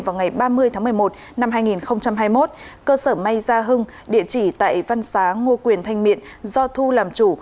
vào ngày ba mươi tháng một mươi một năm hai nghìn hai mươi một cơ sở may gia hưng địa chỉ tại văn xá ngô quyền thanh miện do thu làm chủ